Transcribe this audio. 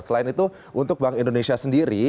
selain itu untuk bank indonesia sendiri